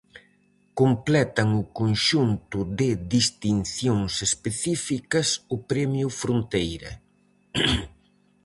Completan o conxunto de distincións específicas o premio Fronteira.